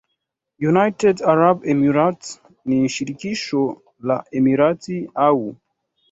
United Arab Emirates ni shirikisho la emirati au